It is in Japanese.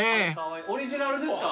オリジナルですか？